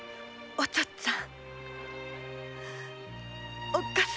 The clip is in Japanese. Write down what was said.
お父っつぁん！